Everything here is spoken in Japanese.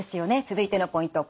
続いてのポイント